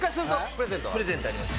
プレゼントあります。